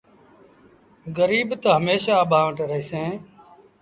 گريٚب تا هميشآ اڀآنٚ وٽ رهيٚسينٚ